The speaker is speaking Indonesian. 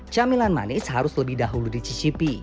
camilan manis harus lebih dahulu dicicipi